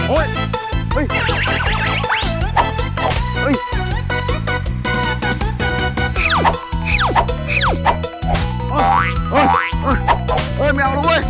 โอ๊ย